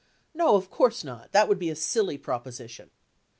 No, of course not. That would be a silly propo sition.